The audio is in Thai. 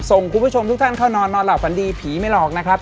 ส่งคุณผู้ชมทุกท่านเข้านอนนอนหลับฝันดีผีไม่หลอกนะครับ